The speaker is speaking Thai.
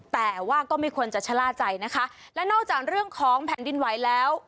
แต่ว่าก็ไม่ควรจะชะล่าใจนะคะและนอกจากเรื่องของแผ่นดินไหวแล้ว